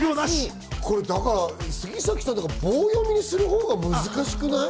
杉咲さんとか、棒読みにするほうが難しくない？